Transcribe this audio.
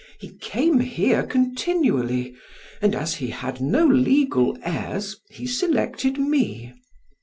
He came here continually, and as he had no legal heirs, he selected me.